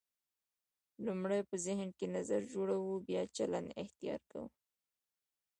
لومړی په ذهن کې نظر جوړوو بیا چلند اختیار کوو.